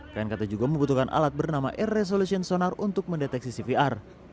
knkt juga membutuhkan alat bernama air resolution sonar untuk mendeteksi cvr